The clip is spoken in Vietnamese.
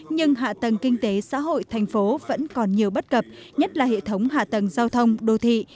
nhưng hạ tầng kinh tế xã hội thành phố vẫn còn nhiều bất cập nhất là hệ thống hạ tầng giao thông đô thị